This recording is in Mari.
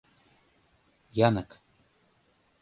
Янык.